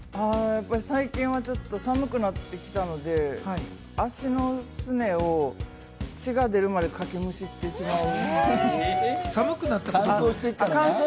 最近は寒くなってきたので足のすねを血が出るまでかきむしってしまう。